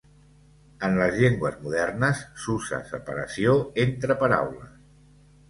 En les llengües modernes s'usa separació entre paraules.